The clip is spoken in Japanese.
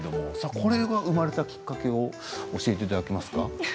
これが生まれたきっかけを教えていただけますか。